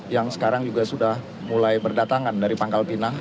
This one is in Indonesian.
yang sekarang juga sudah mulai berdatangan dari pangkal pinang